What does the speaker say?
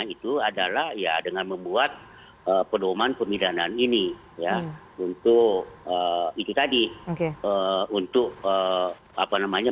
itu adalah contoh contoh dan juga